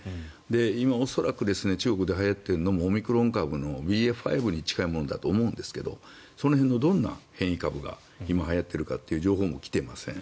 今、恐らく中国ではやっているのもオミクロン株のＢＡ．５に近いものだと思うんですがその辺のどんな変異株が今はやっているかという情報も来ていません。